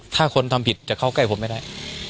ถ้าคนทำผิดจะเข้าใกล้ผมไม่ได้